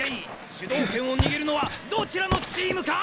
主導権を握るのはどちらのチームか！？